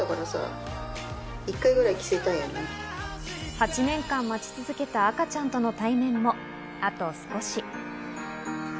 ８年間待ち続けた赤ちゃんとの対面もあと少し。